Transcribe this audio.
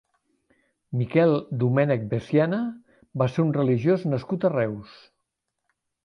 Miquel Domènech Veciana va ser un religiós nascut a Reus.